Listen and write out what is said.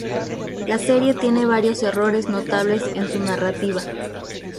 La serie tiene varios errores notables en su narrativa.